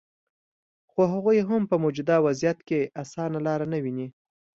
خو هغوي هم په موجوده وضعیت کې اسانه لار نه ویني